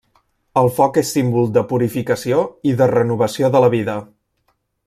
El foc és símbol de purificació i de renovació de la vida.